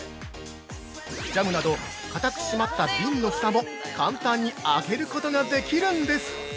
ジャムなどかたくしまった瓶のふたも簡単に開けることができるんです。